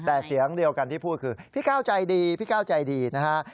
แต่เสียงเดียวกันที่พูดคือพี่ก้าวใจดีพี่ก้าวใจดีนะฮะ